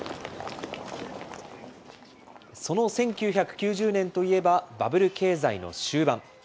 その１９９０年といえば、バブル経済の終盤。